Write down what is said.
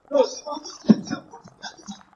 Abadukirize basanga omuliro gutuntumuka.